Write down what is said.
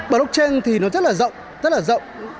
blockchain thì nó rất là rộng rất là rộng